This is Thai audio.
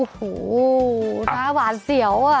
โอ้โหหน้าหวานเสียวอ่ะ